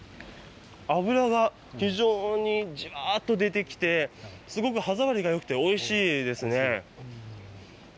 うーん、脂が非常にじわーっと出てきて、すごく歯触りがよくて、おいしいですね。